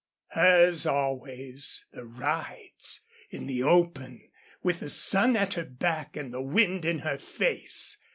Hers always the rides in the open, with the sun at her back and the wind in her face!